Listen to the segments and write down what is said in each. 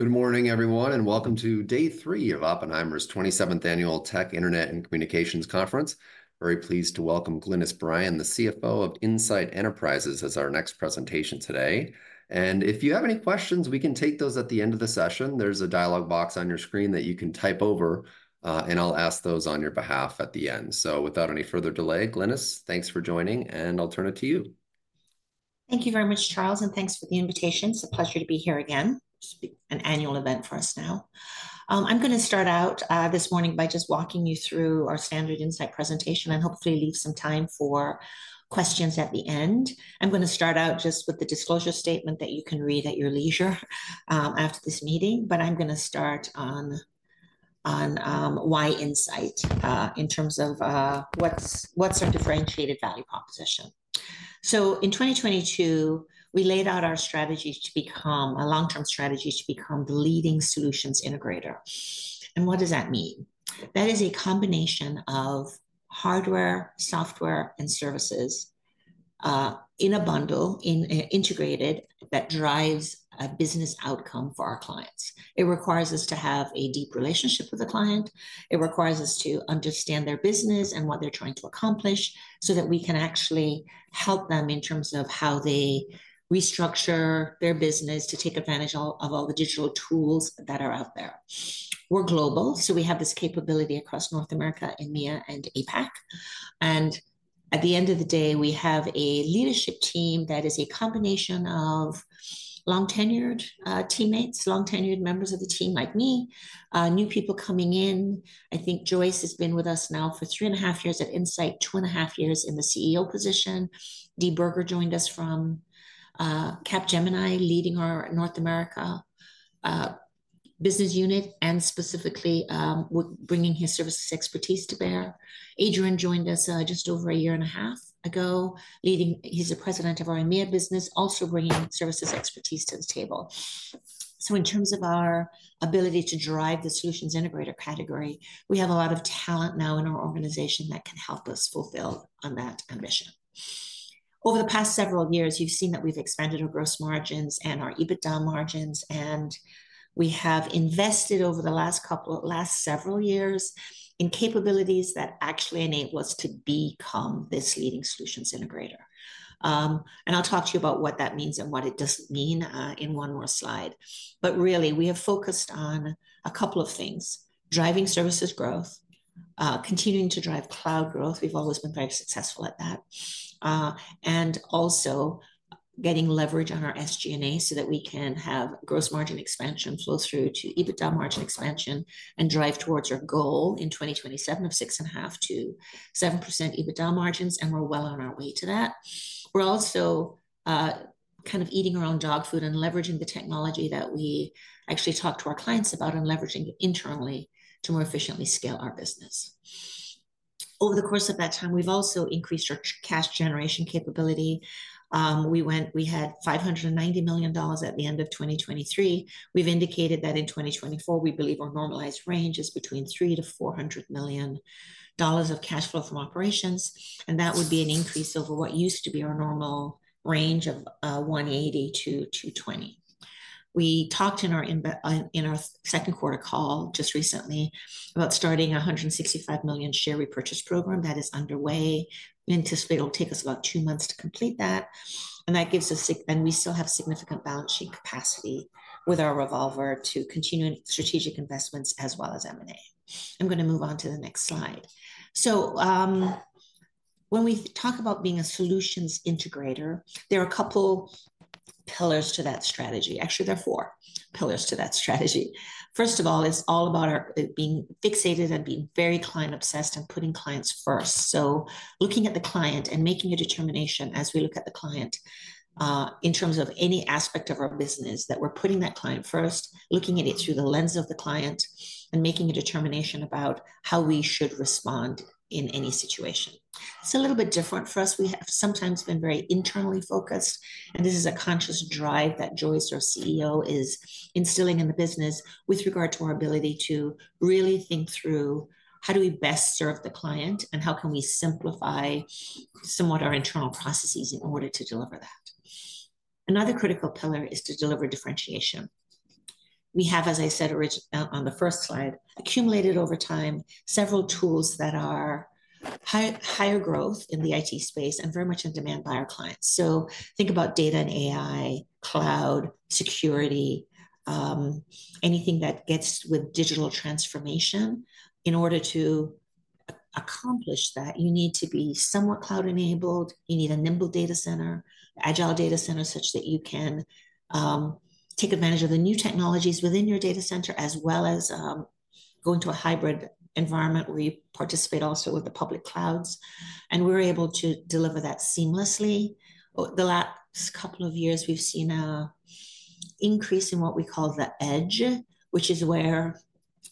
Good morning, everyone, and welcome to day three of Oppenheimer's 27th Annual Tech, Internet, and Communications Conference. Very pleased to welcome Glynis Bryan, the CFO of Insight Enterprises, as our next presentation today. If you have any questions, we can take those at the end of the session. There's a dialogue box on your screen that you can type over, and I'll ask those on your behalf at the end. So without any further delay, Glynis Bryan, thanks for joining, and I'll turn it to you. Thank you very much, Charles Erlikh, and thanks for the invitation. It's a pleasure to be here again. This will be an annual event for us now. I'm gonna start out this morning by just walking you through our standard Insight presentation, and hopefully leave some time for questions at the end. I'm gonna start out just with the disclosure statement that you can read at your leisure, after this meeting, but I'm gonna start on why Insight Enterprises?, in terms of, what's our differentiated value proposition? So in 2022, we laid out our strategy to become a long-term strategy to become the leading Solutions Integrator. And what does that mean? That is a combination of hardware, software, and services, in a bundle, integrated, that drives a business outcome for our clients. It requires us to have a deep relationship with the client. It requires us to understand their business and what they're trying to accomplish, so that we can actually help them in terms of how they restructure their business to take advantage of all the digital tools that are out there. We're global, so we have this capability across North America, EMEA, and APAC. At the end of the day, we have a leadership team that is a combination of long-tenured teammates, long-tenured members of the team like me, new people coming in. I think Joyce Mullen has been with us now for three and 1/2 years at Insight, two and 1/2 years in the CEO position. Dee Burger joined us from Capgemini, leading our North America business unit, and specifically bringing his services expertise to bear. Adrian Gregory joined us just over a year and 1/2 ago, leading, He's the President of our EMEA business, also bringing services expertise to the table. So in terms of our ability to drive the solutions integrator category, we have a lot of talent now in our organization that can help us fulfill on that mission. Over the past several years, you've seen that we've expanded our gross margins and our EBITDA margins, and we have invested over the last couple- last several years in capabilities that actually enable us to become this leading solutions integrator. And I'll talk to you about what that means and what it doesn't mean in one more slide. But really, we have focused on a couple of things: driving services growth, continuing to drive cloud growth, we've always been very successful at that, and also getting leverage on our SG&A so that we can have gross margin expansion flow through to EBITDA margin expansion, and drive towards our goal in 2027 of 6.5%-7% EBITDA margins, and we're well on our way to that. We're also, kind of eating our own dog food and leveraging the technology that we actually talk to our clients about and leveraging it internally to more efficiently scale our business. Over the course of that time, we've also increased our cash generation capability. We had $590 million at the end of 2023. We've indicated that in 2024, we believe our normalized range is between $300 million-$400 million of cash flow from operations, and that would be an increase over what used to be our normal range of $180 million-$220 million. We talked in our Q2 call just recently about starting a $165 million share repurchase program. That is underway. We anticipate it'll take us about two months to complete that, and that gives us and we still have significant balance sheet capacity with our revolver to continue strategic investments as well as M&A. I'm gonna move on to the next slide. So, when we talk about being a solutions integrator, there are a couple pillars to that strategy. Actually, there are four pillars to that strategy. First of all, it's all about our being fixated and being very client-obsessed and putting clients first. So looking at the client and making a determination as we look at the client, in terms of any aspect of our business, that we're putting that client first, looking at it through the lens of the client, and making a determination about how we should respond in any situation. It's a little bit different for us. We have sometimes been very internally focused, and this is a conscious drive that Joyce Mullen, our CEO, is instilling in the business with regard to our ability to really think through, how do we best serve the client, and how can we simplify somewhat our internal processes in order to deliver that? Another critical pillar is to deliver differentiation. We have, as I said, on the first slide, accumulated over time several tools that are higher growth in the IT space and very much in demand by our clients. So think about data and AI, cloud, security, anything that gets with digital transformation. In order to accomplish that, you need to be somewhat cloud-enabled. You need a nimble data center, agile data center, such that you can take advantage of the new technologies within your data center, as well as go into a hybrid environment where you participate also with the public clouds, and we're able to deliver that seamlessly. Oh, the last couple of years, we've seen an increase in what we call the Edge, which is where,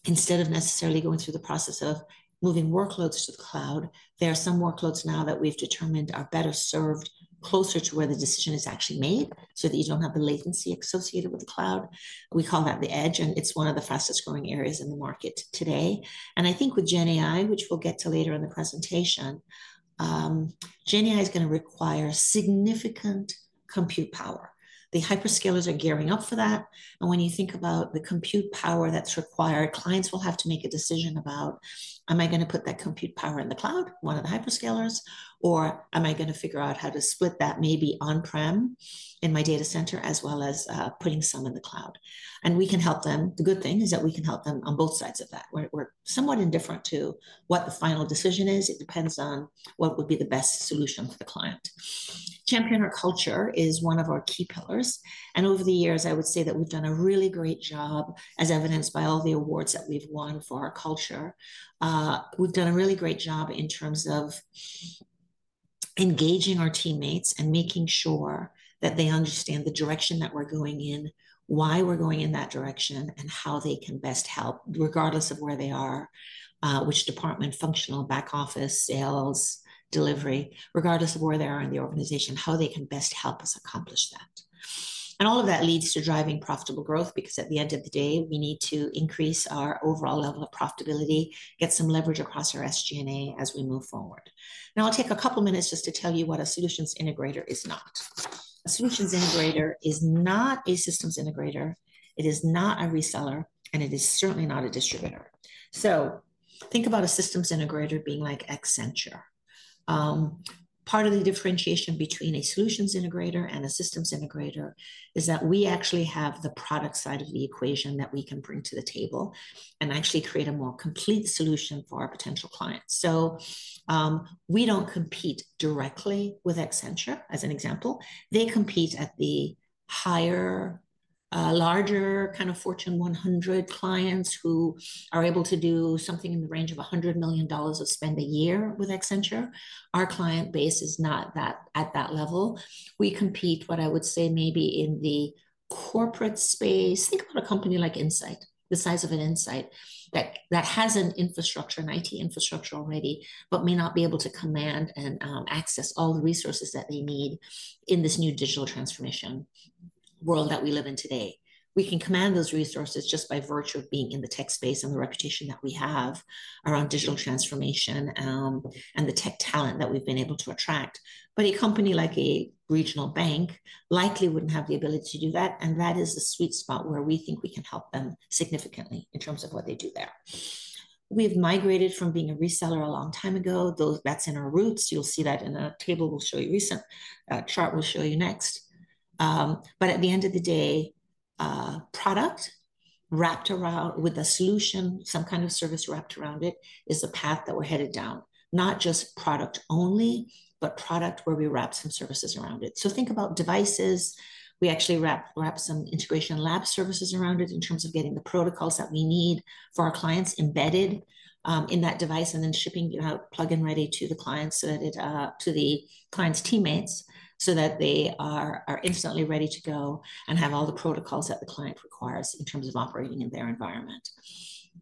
instead of necessarily going through the process of moving workloads to the cloud, there are some workloads now that we've determined are better served closer to where the decision is actually made, so that you don't have the latency associated with the cloud. We call that the Edge, and it's one of the fastest-growing areas in the market today. And I think with GenAI, which we'll get to later in the presentation, GenAI is gonna require significant compute power. The hyperscalers are gearing up for that, and when you think about the compute power that's required, clients will have to make a decision about, "Am I gonna put that compute power in the cloud, one of the hyperscalers? Or am I gonna figure out how to split that maybe on-prem in my data center, as well as, putting some in the cloud?" We can help them. The good thing is that we can help them on both sides of that. We're somewhat indifferent to what the final decision is. It depends on what would be the best solution for the client. Champion our culture is one of our key pillars, and over the years I would say that we've done a really great job, as evidenced by all the awards that we've won for our culture. We've done a really great job in terms of engaging our teammates and making sure that they understand the direction that we're going in, why we're going in that direction, and how they can best help, regardless of where they are, which department, functional, back office, sales, delivery. Regardless of where they are in the organization, how they can best help us accomplish that. And all of that leads to driving profitable growth, because at the end of the day, we need to increase our overall level of profitability, get some leverage across our SG&A as we move forward. Now, I'll take a couple minutes just to tell you what a solutions integrator is not. A solutions integrator is not a systems integrator, it is not a reseller, and it is certainly not a distributor. So think about a systems integrator being like Accenture. Part of the differentiation between a solutions integrator and a systems integrator is that we actually have the product side of the equation that we can bring to the table and actually create a more complete solution for our potential clients. So, we don't compete directly with Accenture, as an example. They compete at the higher, larger kind of Fortune 100 clients who are able to do something in the range of $100 million of spend a year with Accenture. Our client base is not that, at that level. We compete, what I would say, maybe in the corporate space. Think about a company like Insight, the size of an Insight, that has an infrastructure, an IT infrastructure already, but may not be able to command and access all the resources that they need in this new digital transformation world that we live in today. We can command those resources just by virtue of being in the tech space and the reputation that we have around digital transformation, and the tech talent that we've been able to attract. But a company like a regional bank likely wouldn't have the ability to do that, and that is the sweet spot where we think we can help them significantly in terms of what they do there. We've migrated from being a reseller a long time ago, though that's in our roots. You'll see that in a table we'll show you recent, a chart we'll show you next. But at the end of the day, a product wrapped around with a solution, some kind of service wrapped around it, is the path that we're headed down, not just product only, but product where we wrap some services around it. So think about devices. We actually wrap some integration lab services around it in terms of getting the protocols that we need for our clients embedded in that device, and then shipping it out plug-in ready to the clients, so that it to the client's teammates, so that they are instantly ready to go and have all the protocols that the client requires in terms of operating in their environment.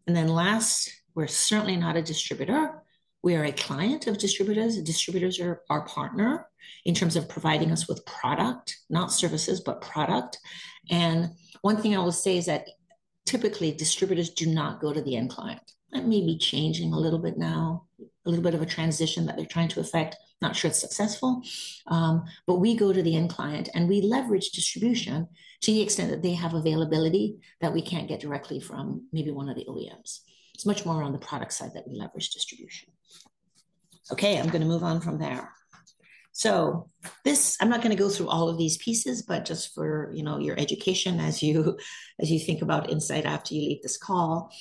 And then last, we're certainly not a distributor. We are a client of distributors. Distributors are our partner in terms of providing us with product, not services, but product. And one thing I will say is that typically, distributors do not go to the end client. That may be changing a little bit now, a little bit of a transition that they're trying to effect. Not sure it's successful. But we go to the end client, and we leverage distribution to the extent that they have availability that we can't get directly from maybe one of the OEMs. It's much more on the product side that we leverage distribution. Okay, I'm gonna move on from there. So this... I'm not gonna go through all of these pieces, but just for, you know, your education as you think about Insight after you leave this call.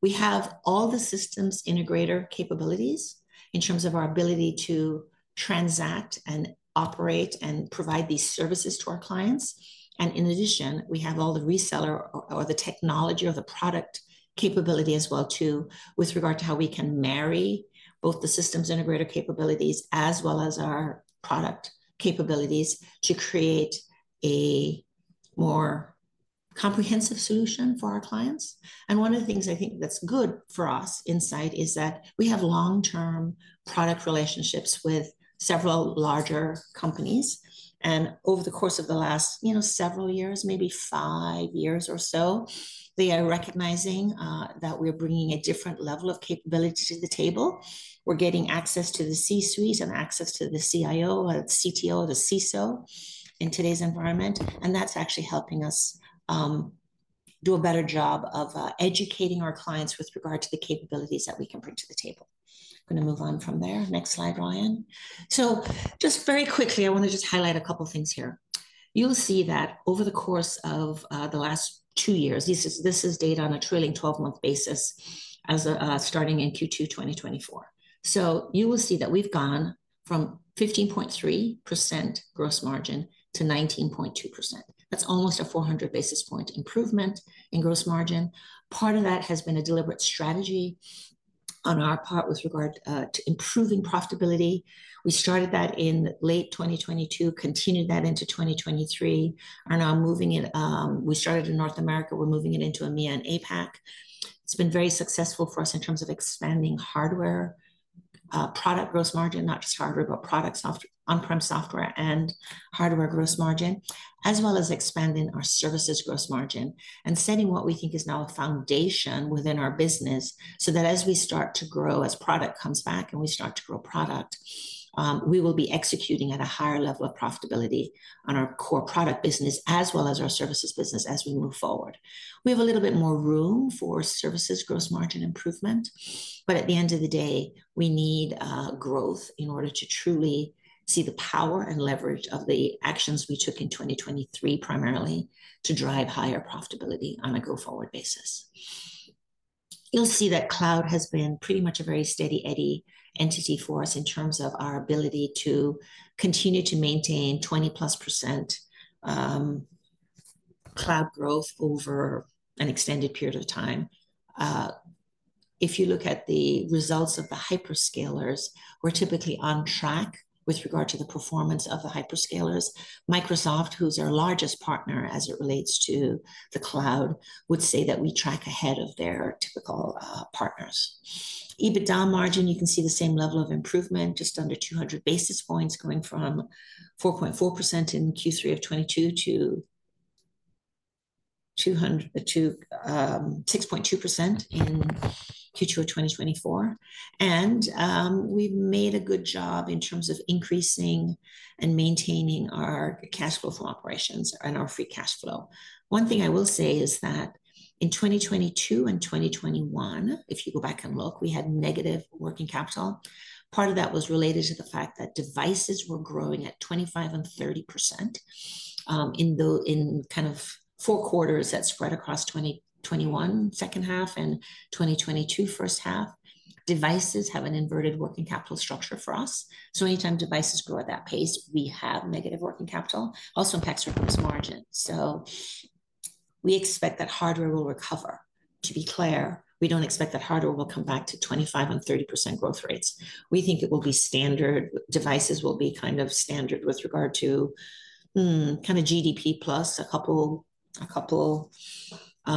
We have all the systems integrator capabilities in terms of our ability to transact, and operate, and provide these services to our clients. And in addition, we have all the reseller or the technology or the product capability as well, too, with regard to how we can marry both the systems integrator capabilities as well as our product capabilities to create a more comprehensive solution for our clients. One of the things I think that's good for us, Insight, is that we have long-term product relationships with several larger companies. Over the course of the last, you know, several years, maybe five years or so, they are recognizing that we're bringing a different level of capability to the table. We're getting access to the C-suite and access to the CIO, CTO, the CISO in today's environment, and that's actually helping us do a better job of educating our clients with regard to the capabilities that we can bring to the table. I'm gonna move on from there. Next slide, Ryan Miyasato. So just very quickly, I wanna just highlight a couple things here. You'll see that over the course of the last two years, this is data on a trailing 12-month basis as of starting in Q2 2024. So you will see that we've gone from 15.3% gross margin to 19.2%. That's almost a 400 basis point improvement in gross margin. Part of that has been a deliberate strategy on our part with regard to improving profitability. We started that in late 2022, continued that into 2023, are now moving it, we started in North America, we're moving it into EMEA and APAC. It's been very successful for us in terms of expanding hardware product gross margin. Not just hardware, but product soft- on-prem software and hardware gross margin, as well as expanding our services gross margin and setting what we think is now a foundation within our business, so that as we start to grow, as product comes back and we start to grow product. We will be executing at a higher level of profitability on our core product business, as well as our services business as we move forward. We have a little bit more room for services gross margin improvement, but at the end of the day, we need growth in order to truly see the power and leverage of the actions we took in 2023, primarily to drive higher profitability on a go-forward basis. You'll see that cloud has been pretty much a very steady eddy entity for us in terms of our ability to continue to maintain 20%+ cloud growth over an extended period of time. If you look at the results of the hyperscalers, we're typically on track with regard to the performance of the hyperscalers. Microsoft, who's our largest partner as it relates to the cloud, would say that we track ahead of their typical, partners. EBITDA margin, you can see the same level of improvement, just under 200 basis points, going from 4.4% in Q3 of 2022 to 200 basis points to, 6.2% in Q2 of 2024. And, we've made a good job in terms of increasing and maintaining our cash flow from operations and our free cash flow. One thing I will say is that in 2022 and 2021, if you go back and look, we had negative working capital. Part of that was related to the fact that devices were growing at 25% and 30%, in kind of four quarters that spread across 2021 second-half and 2022 first-half. Devices have an inverted working capital structure for us, so anytime devices grow at that pace, we have negative working capital. Also impacts our gross margin. So we expect that hardware will recover. To be clear, we don't expect that hardware will come back to 25% and 30% growth rates. We think it will be standard... devices will be kind of standard with regard to kind of GDP plus a couple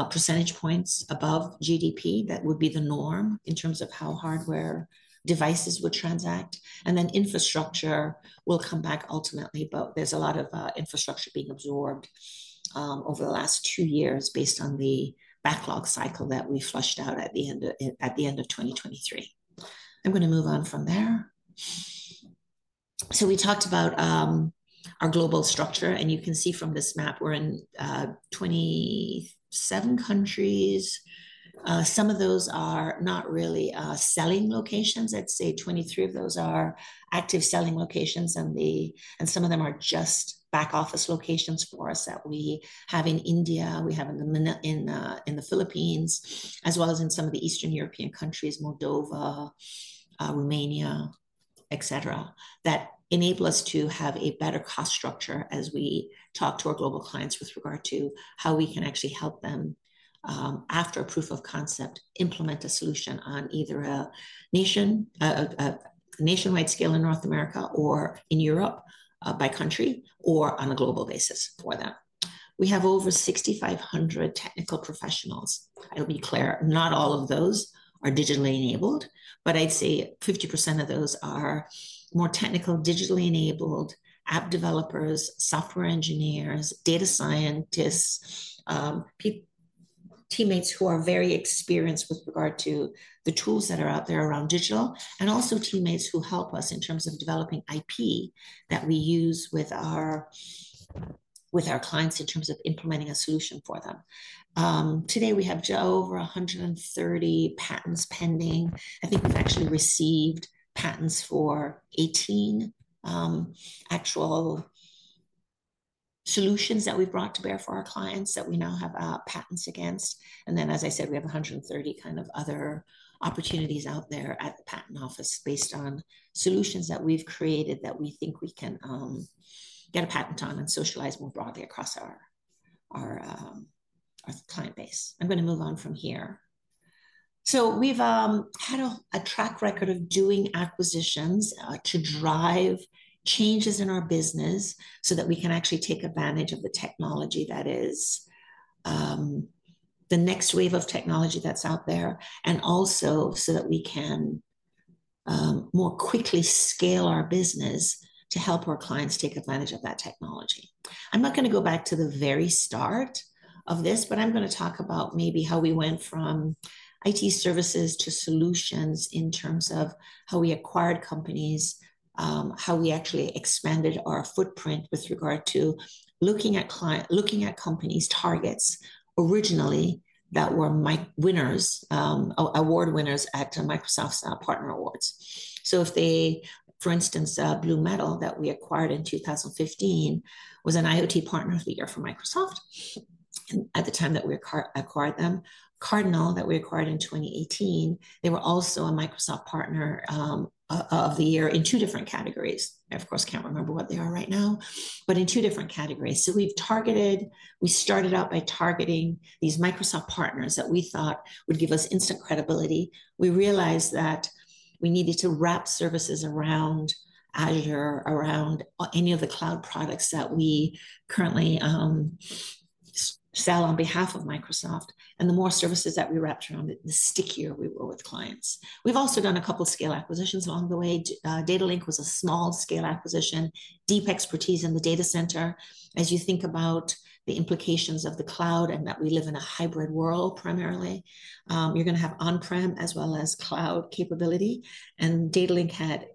percentage points above GDP. That would be the norm in terms of how hardware devices would transact, and then infrastructure will come back ultimately. But there's a lot of infrastructure being absorbed over the last two years based on the backlog cycle that we flushed out at the end of 2023. I'm gonna move on from there. So we talked about our global structure, and you can see from this map, we're in 27 countries. Some of those are not really selling locations. I'd say 23 of those are active selling locations, and some of them are just back office locations for us that we have in India, we have in the Philippines, as well as in some of the Eastern European countries, Moldova, Romania, etc., that enable us to have a better cost structure as we talk to our global clients with regard to how we can actually help them, after a proof of concept, implement a solution on either a nation, a nationwide scale in North America or in Europe, by country, or on a global basis for them. We have over 6,500 technical professionals. I'll be clear, not all of those are digitally enabled, but I'd say 50% of those are more technical, digitally enabled app developers, software engineers, data scientists, teammates who are very experienced with regard to the tools that are out there around digital, and also teammates who help us in terms of developing IP that we use with our, with our clients in terms of implementing a solution for them. Today we have just over 130 patents pending. I think we've actually received patents for 18 actual solutions that we've brought to bear for our clients that we now have patents against. And then, as I said, we have 130 kind of other opportunities out there at the patent office based on solutions that we've created that we think we can get a patent on and socialize more broadly across our client base. I'm gonna move on from here. So we've had a track record of doing acquisitions to drive changes in our business so that we can actually take advantage of the technology that is the next wave of technology that's out there, and also so that we can more quickly scale our business to help our clients take advantage of that technology. I'm not gonna go back to the very start of this, but I'm gonna talk about maybe how we went from IT services to solutions in terms of how we acquired companies, how we actually expanded our footprint with regard to looking at clients, looking at companies, targets, originally, that were Microsoft award winners at Microsoft's Partner Awards. So, for instance, BlueMetal that we acquired in 2015, was an IoT Partner of the Year for Microsoft at the time that we acquired them. Cardinal, that we acquired in 2018, they were also a Microsoft Partner of the Year in two different categories. I, of course, can't remember what they are right now, but in two different categories. So we started out by targeting these Microsoft partners that we thought would give us instant credibility. We realized that we needed to wrap services around Azure, around any of the cloud products that we currently sell on behalf of Microsoft, and the more services that we wrapped around it, the stickier we were with clients. We've also done a couple scale acquisitions along the way. Datalink was a small-scale acquisition, deep expertise in the data center. As you think about the implications of the cloud, and that we live in a hybrid world, primarily, you're gonna have on-prem as well as cloud capability, and Datalink had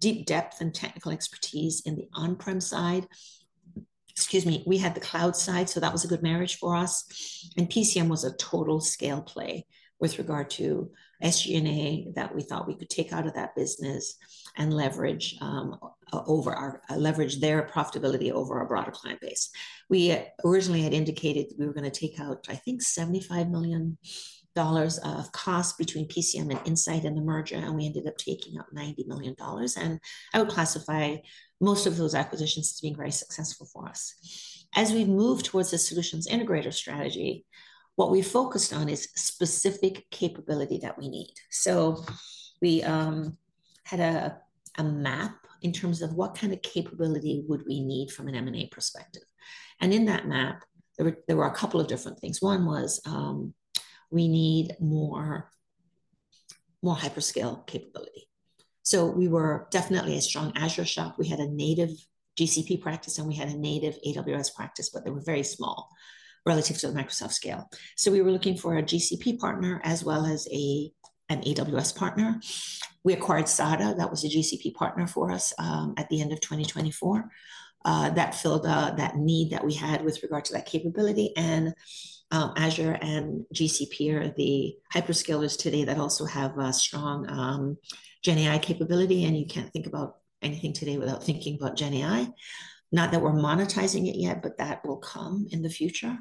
deep depth and technical expertise in the on-prem side. Excuse me, we had the cloud side, so that was a good marriage for us. And PCM was a total scale play with regard to SG&A that we thought we could take out of that business and leverage their profitability over our broader client base. We originally had indicated that we were gonna take out, I think, $75 million of cost between PCM and Insight in the merger, and we ended up taking out $90 million, and I would classify most of those acquisitions as being very successful for us. As we've moved towards a solutions integrator strategy, what we focused on is specific capability that we need. So we had a map in terms of what kind of capability would we need from an M&A perspective, and in that map, there were a couple of different things. One was, we need more hyperscale capability. So we were definitely a strong Azure shop. We had a native GCP practice, and we had a native AWS practice, but they were very small relative to the Microsoft scale. So we were looking for a GCP partner, as well as a AWS partner. We acquired SADA. That was a GCP partner for us at the end of 2024. That filled that need that we had with regard to that capability, and Azure and GCP are the hyperscalers today that also have a strong GenAI capability, and you can't think about anything today without thinking about GenAI. Not that we're monetizing it yet, but that will come in the future.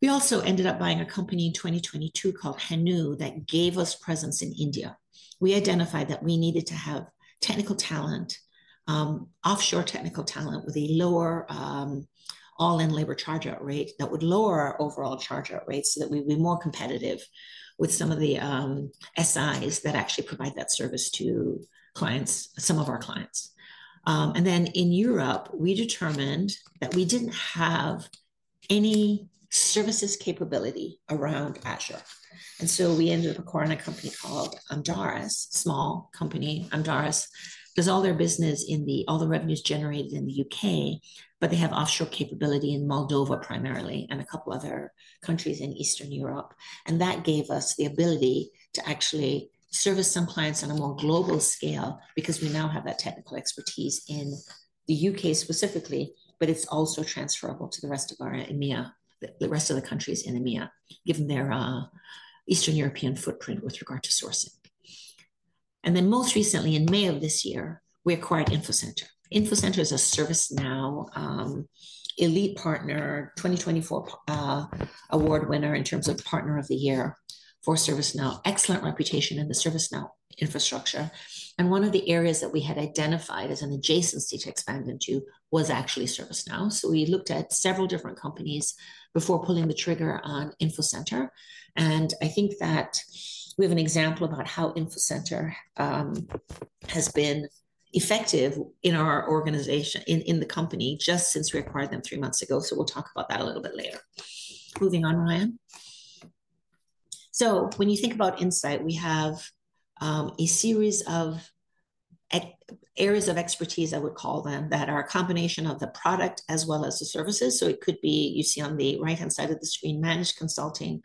We also ended up buying a company in 2022 called Hanu that gave us presence in India. We identified that we needed to have technical talent, offshore technical talent with a lower, all-in labor charge-out rate that would lower our overall charge-out rate so that we'd be more competitive with some of the, SIs that actually provide that service to clients, some of our clients. And then, in Europe, we determined that we didn't have any services capability around Azure, and so we ended up acquiring a company called Amdaris, small company. Amdaris does all their business in the... All the revenue's generated in the U.K., but they have offshore capability in Moldova, primarily, and a couple other countries in Eastern Europe, and that gave us the ability to actually service some clients on a more global scale because we now have that technical expertise in the U.K. specifically, but it's also transferable to the rest of our EMEA, the rest of the countries in EMEA, given their Eastern European footprint with regard to sourcing. And then, most recently, in May of this year, we acquired Infocenter. Infocenter is a ServiceNow Elite Partner 2024 award winner in terms of partner of the year for ServiceNow. Excellent reputation in the ServiceNow infrastructure, and one of the areas that we had identified as an adjacency to expand into was actually ServiceNow. So we looked at several different companies before pulling the trigger on Infocenter, and I think that we have an example about how Infocenter has been effective in our organization, in, in the company, just since we acquired them three months ago. So we'll talk about that a little bit later. Moving on, Ryan Miyasato. So when you think about Insight, we have a series of areas of expertise, I would call them, that are a combination of the product as well as the services. So it could be, you see on the right-hand side of the screen, managed consulting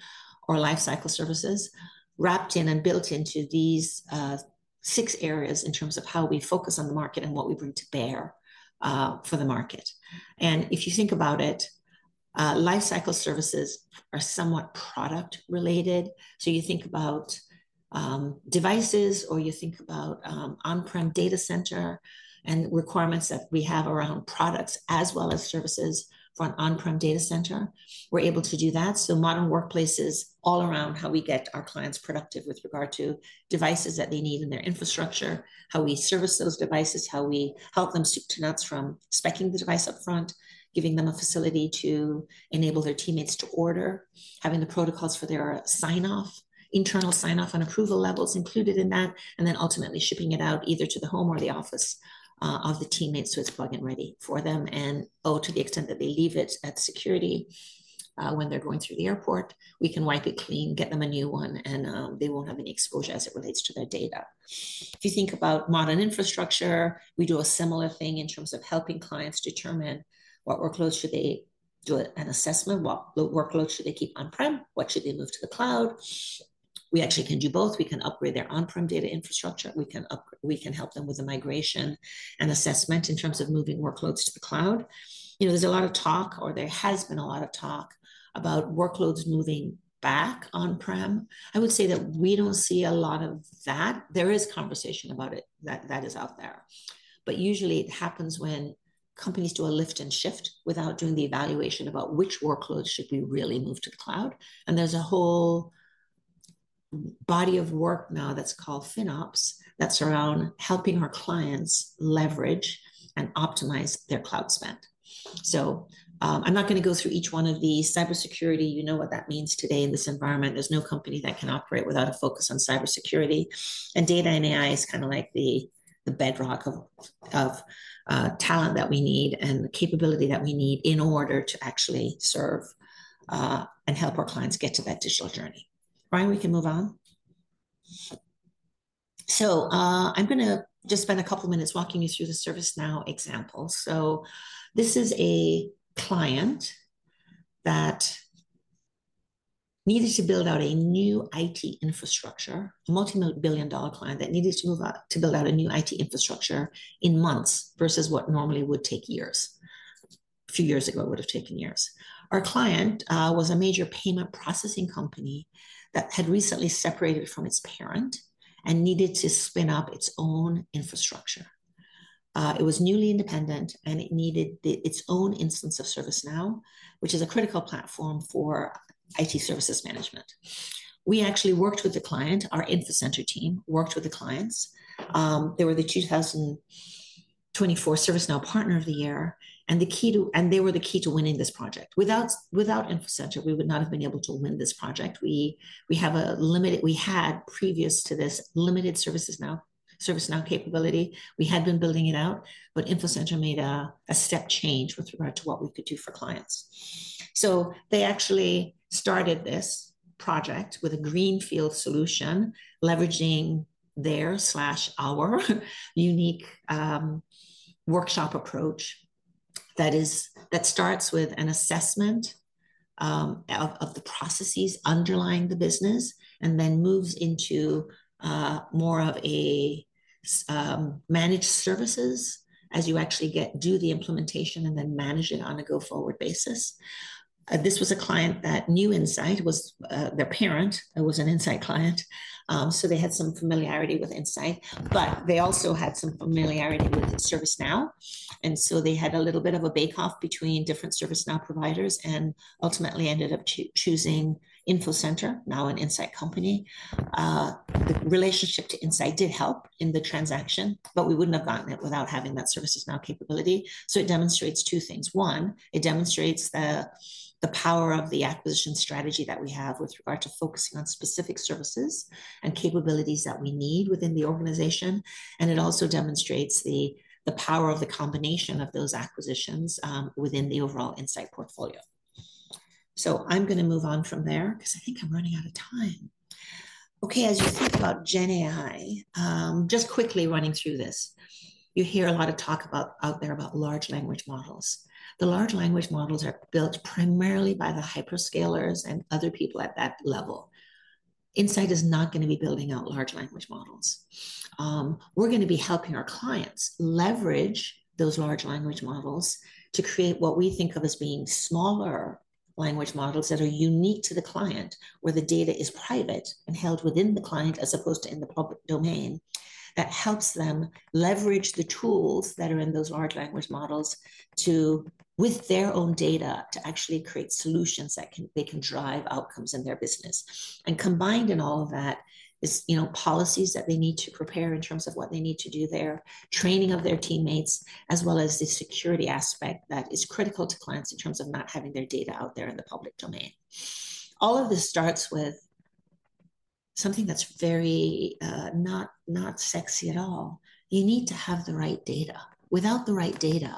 or lifecycle services, wrapped in and built into these six areas in terms of how we focus on the market and what we bring to bear for the market. And if you think about it, lifecycle services are somewhat product related, so you think about devices, or you think about on-prem data center and requirements that we have around products as well as services for an on-prem data center. We're able to do that, so modern workplaces all around how we get our clients productive with regard to devices that they need in their infrastructure, how we service those devices, how we help them soup to nuts from speccing the device upfront, giving them a facility to enable their teammates to order, having the protocols for their sign-off, internal sign-off and approval levels included in that, and then ultimately shipping it out either to the home or the office of the teammate, so it's plug and ready for them. Oh, to the extent that they leave it at security, when they're going through the airport, we can wipe it clean, get them a new one, and they won't have any exposure as it relates to their data. If you think about modern infrastructure, we do a similar thing in terms of helping clients determine what workloads should they do an assessment, what workloads should they keep on-prem, what should they move to the cloud? We actually can do both. We can upgrade their on-prem data infrastructure. We can help them with the migration and assessment in terms of moving workloads to the cloud. You know, there's a lot of talk, or there has been a lot of talk about workloads moving back on-prem. I would say that we don't see a lot of that. There is conversation about it, that, that is out there, but usually, it happens when companies do a lift and shift without doing the evaluation about which workloads should we really move to the cloud. And there's a whole body of work now that's called FinOps, that's around helping our clients leverage and optimize their cloud spend. So, I'm not gonna go through each one of these. Cybersecurity, you know what that means today in this environment. There's no company that can operate without a focus on cybersecurity, and data and AI is kinda like the bedrock of talent that we need and the capability that we need in order to actually serve and help our clients get to that digital journey. Ryan Miyasato, we can move on. So, I'm gonna just spend a couple of minutes walking you through the ServiceNow example. This is a client that needed to build out a new IT infrastructure, a multi-million-billion-dollar client that needed to move out to build out a new IT infrastructure in months versus what normally would take years. A few years ago, it would have taken years. Our client was a major payment processing company that had recently separated from its parent and needed to spin up its own infrastructure. It was newly independent, and it needed its own instance of ServiceNow, which is a critical platform for IT services management. We actually worked with the client. Our Infocenter team worked with the clients. They were the 2024 ServiceNow Partner of the Year, and they were the key to winning this project. Without Infocenter, we would not have been able to win this project. We had, previous to this, limited ServiceNow capability. We had been building it out, but Infocenter made a step change with regard to what we could do for clients. So they actually started this project with a greenfield solution, leveraging our unique workshop approach that starts with an assessment of the processes underlying the business and then moves into more of a managed services as you actually get do the implementation and then manage it on a go-forward basis. This was a client that knew Insight. Their parent was an Insight client. So they had some familiarity with Insight, but they also had some familiarity with ServiceNow, and so they had a little bit of a bake-off between different ServiceNow providers and ultimately ended up choosing Infocenter, now an Insight company. The relationship to Insight did help in the transaction, but we wouldn't have gotten it without having that ServiceNow capability. So it demonstrates two things. One, it demonstrates the power of the acquisition strategy that we have with regard to focusing on specific services and capabilities that we need within the organization, and it also demonstrates the power of the combination of those acquisitions within the overall Insight portfolio. So I'm gonna move on from there 'cause I think I'm running out of time. Okay, as you think about GenAI, just quickly running through this, you hear a lot of talk out there about large language models. The large language models are built primarily by the hyperscalers and other people at that level. Insight is not gonna be building out large language models. We're gonna be helping our clients leverage those large language models to create what we think of as being smaller language models that are unique to the client, where the data is private and held within the client as opposed to in the public domain. That helps them leverage the tools that are in those large language models to, with their own data, to actually create solutions that can drive outcomes in their business. And combined in all of that is, you know, policies that they need to prepare in terms of what they need to do there, training of their teammates, as well as the security aspect that is critical to clients in terms of not having their data out there in the public domain. All of this starts with something that's very, not, not sexy at all. You need to have the right data. Without the right data,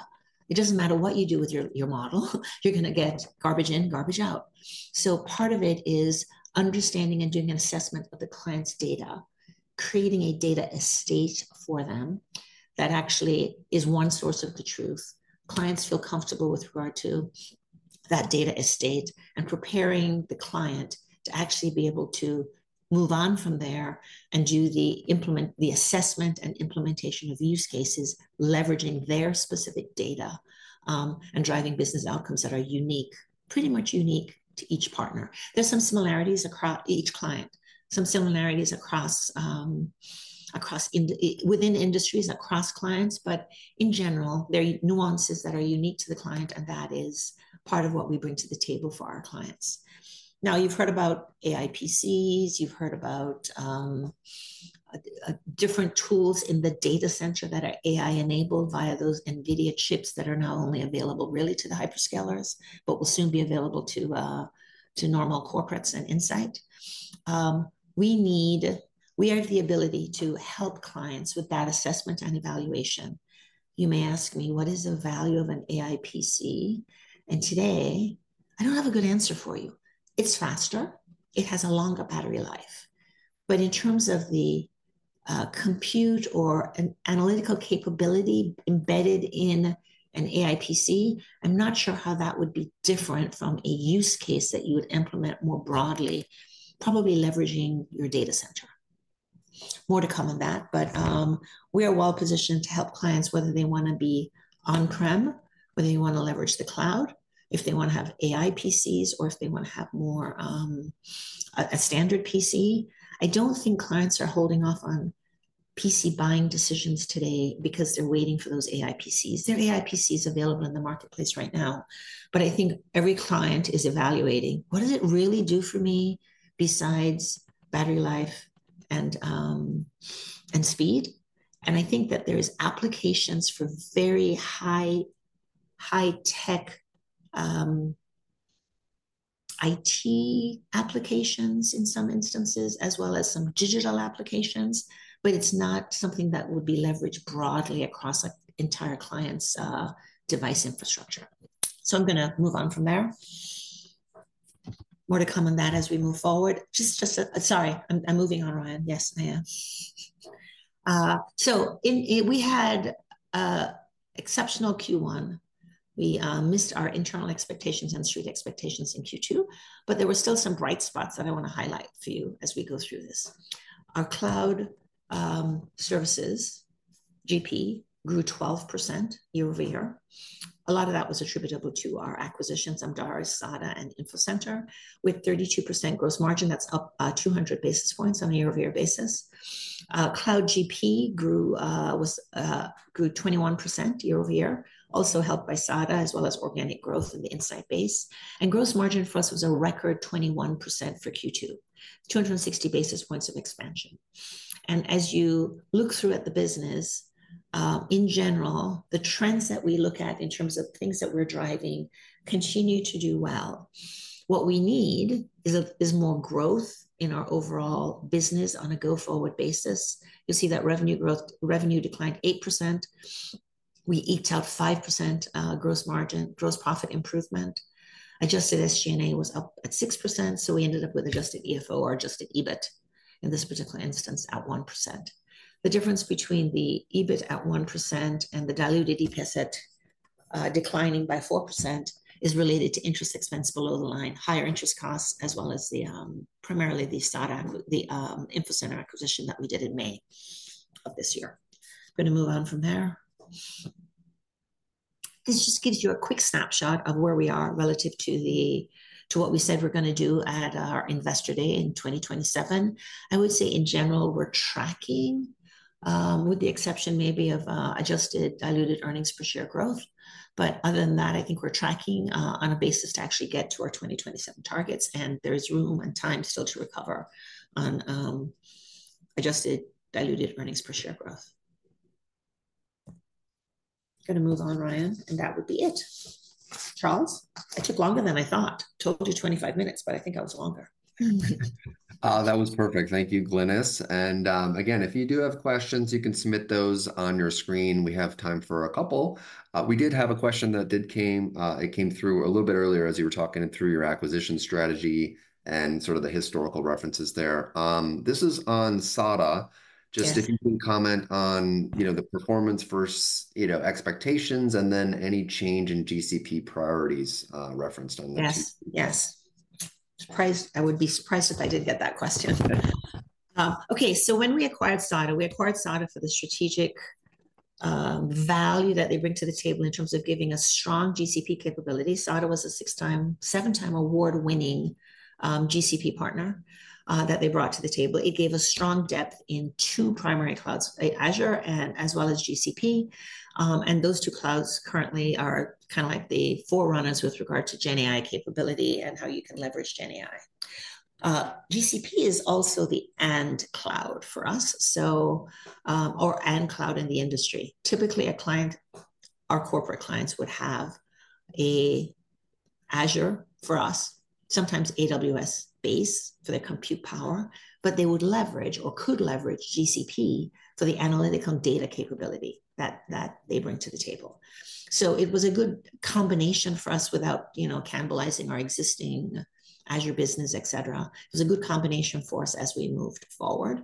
it doesn't matter what you do with your, your model, you're gonna get garbage in, garbage out. So part of it is understanding and doing an assessment of the client's data, creating a data estate for them that actually is one source of the truth clients feel comfortable with regard to that data estate, and preparing the client to actually be able to move on from there and do the assessment and implementation of use cases, leveraging their specific data, and driving business outcomes that are unique, pretty much unique to each partner. There's some similarities across each client. Some similarities across within industries, across clients, but in general, there are nuances that are unique to the client, and that is part of what we bring to the table for our clients. Now, you've heard about AI PCs, you've heard about different tools in the data center that are AI-enabled via those NVIDIA chips that are now only available really to the hyperscalers, but will soon be available to normal corporates and Insight. We have the ability to help clients with that assessment and evaluation. You may ask me: What is the value of an AI PC? And today, I don't have a good answer for you. It's faster. It has a longer battery life. But in terms of the compute or an analytical capability embedded in an AI PC, I'm not sure how that would be different from a use case that you would implement more broadly, probably leveraging your data center. More to come on that, but we are well positioned to help clients, whether they wanna be on-prem, whether they wanna leverage the cloud, if they wanna have AI PCs, or if they wanna have more a standard PC. I don't think clients are holding off on PC buying decisions today because they're waiting for those AI PCs. There are AI PCs available in the marketplace right now, but I think every client is evaluating: What does it really do for me besides battery life and speed? And I think that there is applications for very high, high-tech IT applications in some instances, as well as some digital applications, but it's not something that would be leveraged broadly across, like, entire clients' device infrastructure. So I'm gonna move on from there. More to come on that as we move forward. Just, just a Sorry, I'm moving on, Ryan Miyasato. Yes, I am. So, we had an exceptional Q1. We missed our internal expectations and street expectations in Q2, but there were still some bright spots that I wanna highlight for you as we go through this. Our cloud services GP grew 12% year-over-year. A lot of that was attributable to our acquisitions of Amdaris, SADA, and Infocenter, with 32% gross margin. That's up 200 basis points on a year-over-year basis. Cloud GP grew 21% year-over-year, also helped by SADA, as well as organic growth in the Insight base. And gross margin for us was a record 21% for Q2, 260 basis points of expansion. As you look through at the business, in general, the trends that we look at in terms of things that we're driving continue to do well. What we need is more growth in our overall business on a go-forward basis. You'll see that revenue growth—revenue declined 8%. We eked out 5%, gross margin, gross profit improvement. Adjusted SG&A was up at 6%, so we ended up with Adjusted EFO or Adjusted EBIT, in this particular instance, at 1%. The difference between the EBIT at 1% and the diluted EPS at declining by 4% is related to interest expense below the line, higher interest costs, as well as primarily the SADA, the Infocenter acquisition that we did in May of this year. I'm gonna move on from there. This just gives you a quick snapshot of where we are relative to to what we said we're gonna do at our Investor Day in 2027. I would say, in general, we're tracking, with the exception maybe of, adjusted diluted earnings per share growth. But other than that, I think we're tracking, on a basis to actually get to our 2027 targets, and there's room and time still to recover on, adjusted diluted earnings per share growth. Gonna move on, Ryan Miyasato, and that would be it. Charles Erlikh? I took longer than I thought. Told you 25 minutes, but I think I was longer. That was perfect. Thank you, Glynis Bryan. And again, if you do have questions, you can submit those on your screen. We have time for a couple. We did have a question that came through a little bit earlier as you were talking through your acquisition strategy and sort of the historical references there. This is on SADA. Yes. Just if you can comment on, you know, the performance versus, you know, expectations, and then any change in GCP priorities, referenced on the- Yes, yes. I would be surprised if I didn't get that question. Okay, so when we acquired SADA, we acquired SADA for the strategic value that they bring to the table in terms of giving us strong GCP capabilities. SADA was a seven time award-winning GCP partner that they brought to the table. It gave us strong depth in two primary clouds, Azure, and as well as GCP. And those two clouds currently are kinda like the forerunners with regard to GenAI capability and how you can leverage GenAI. GCP is also the end cloud for us, so, or end cloud in the industry. Typically, a client, our corporate clients, would have an Azure, for us, sometimes AWS base for their compute power, but they would leverage or could leverage GCP for the analytical and data capability that they bring to the table. So it was a good combination for us without you know cannibalizing our existing Azure business, et cetera. It was a good combination for us as we moved forward.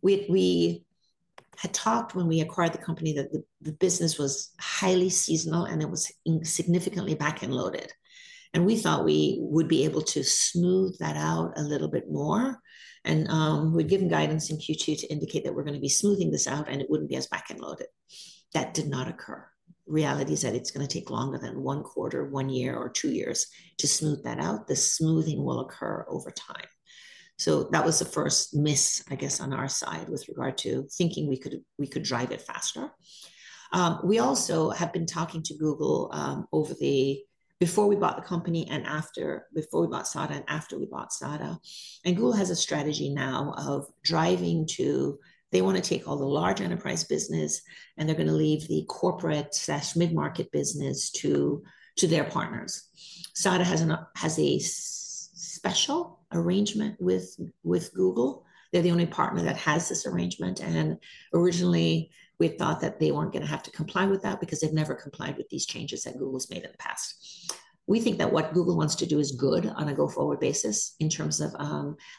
We had talked when we acquired the company that the business was highly seasonal, and it was insignificantly back-end loaded, and we thought we would be able to smooth that out a little bit more. We'd given guidance in Q2 to indicate that we're gonna be smoothing this out, and it wouldn't be as back-end loaded. That did not occur. Reality is that it's gonna take longer than one quarter, one year, or two years to smooth that out. The smoothing will occur over time. So that was the first miss, I guess, on our side, with regard to thinking we could, we could drive it faster. We also have been talking to Google, over the before we bought the company and after, before we bought SADA and after we bought SADA, and Google has a strategy now of driving to- They wanna take all the large enterprise business, and they're gonna leave the corporate/mid-market business to, to their partners. SADA has a special arrangement with Google. They're the only partner that has this arrangement, and originally, we thought that they weren't gonna have to comply with that because they've never complied with these changes that Google's made in the past. We think that what Google wants to do is good on a go-forward basis in terms of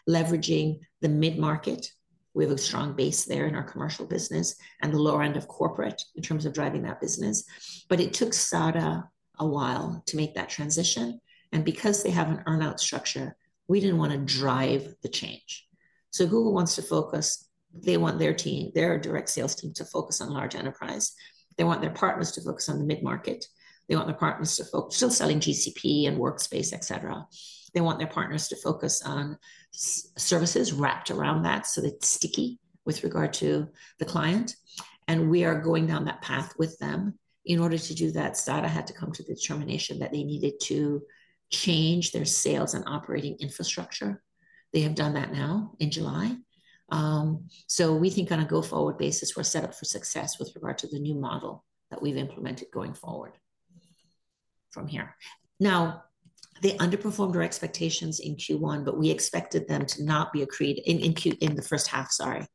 leveraging the mid-market. We have a strong base there in our commercial business, and the lower end of corporate in terms of driving that business. But it took SADA a while to make that transition, and because they have an earn-out structure, we didn't wanna drive the change. So Google wants to focus. They want their team, their direct sales team, to focus on large enterprise. They want their partners to focus on the mid-market. They want their partners to focus on still selling GCP and Workspace, et cetera. They want their partners to focus on services wrapped around that, so it's sticky with regard to the client, and we are going down that path with them. In order to do that, SADA had to come to the determination that they needed to change their sales and operating infrastructure. They have done that now in July. So we think on a go-forward basis, we're set up for success with regard to the new model that we've implemented going forward from here. Now, they underperformed our expectations in Q1, but we expected them to not be accretive in the first-half, sorry.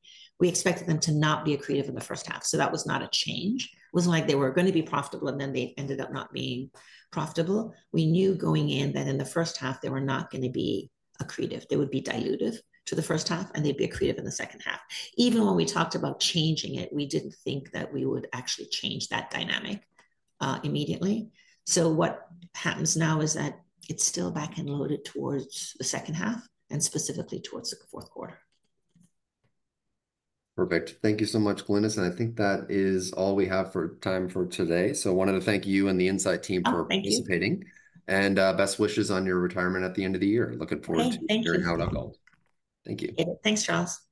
We expected them to not be accretive in the first-half, so that was not a change. It wasn't like they were gonna be profitable, and then they ended up not being profitable. We knew going in that in the first-half, they were not gonna be accretive. They would be dilutive to the first-half, and they'd be accretive in the second-half. Even when we talked about changing it, we didn't think that we would actually change that dynamic, immediately. So what happens now is that it's still back-ended loaded towards the second half, and specifically towards the Q4. Perfect. Thank you so much, Glynis Bryan, and I think that is all we have for time for today. So wanted to thank you and the Insight team- Oh, thank you.... for participating, and, best wishes on your retirement at the end of the year. Looking forward- Thank you to hearing how it unfolds. Thank you. Thanks, Charles Erlikh.